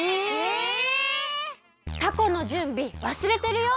タコのじゅんびわすれてるよ！